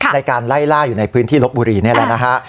ในการไล่ล่าอยู่ในพื้นที่ลบบุรีนี่แหละนะฮะ